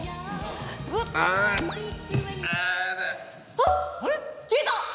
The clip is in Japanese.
あっ消えた！